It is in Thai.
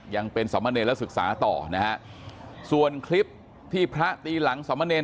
ยังเป็นสมเนรและศึกษาต่อนะฮะส่วนคลิปที่พระตีหลังสมเนร